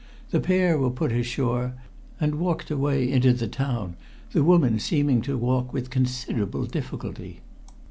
The pair were put ashore, and walked away into the town, the woman seeming to walk with considerable difficulty.